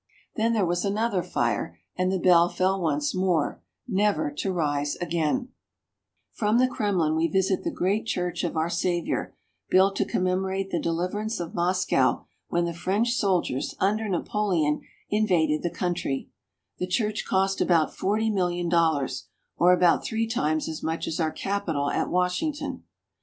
Then there was another fire, and the bell fell once more, never to rise again. From the Kremlin we visit the great Church of our Savior, built to commemorate the deliverance of Moscow "— the biggest bell ever made. DOWN THE VOLGA TO THE CASPIAN SEA. 35 1 when the French soldiers under Napoleon invaded the country. The church cost about forty million dollars, or about three times as much as our Capitol at Washington.